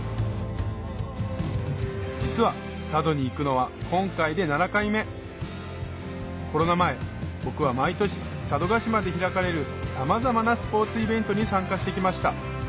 実は佐渡に行くのは今回で７回目コロナ前僕は毎年佐渡島で開かれるさまざまなスポーツイベントに参加してきました